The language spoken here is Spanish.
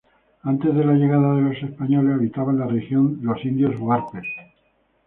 Antes de la llegada de los españoles habitaban la región los indios huarpes.